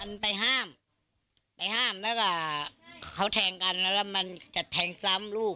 มันไปห้ามไปห้ามแล้วก็เขาแทงกันแล้วแล้วมันจะแทงซ้ำลูก